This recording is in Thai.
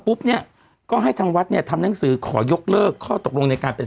เนี่ยก็ให้ทางวัดเนี่ยทำหนังสือขอยกเลิกข้อตกลงในการเป็น